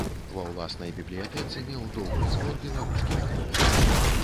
Ва ўласнай бібліятэцы меў добры збор беларускіх кніг.